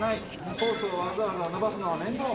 ホースをわざわざ伸ばすのが面倒！